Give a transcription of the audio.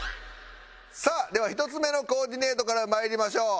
さあでは１つ目のコーディネートからまいりましょう。